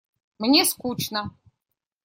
Мне скучно.